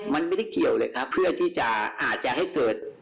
มันไม่ได้เกี่ยวเลยครับเพื่อที่จะอาจจะให้เกิด